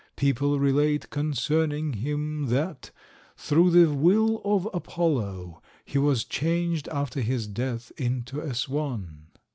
People relate concerning him that, through the will of Apollo, he was changed after his death into a swan."